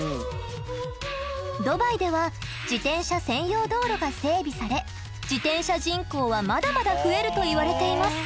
ドバイでは自転車専用道路が整備され自転車人口はまだまだ増えるといわれています。